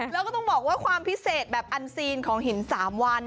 แล้วก็ต้องบอกว่าความพิเศษแบบอันซีนของหิน๓วัน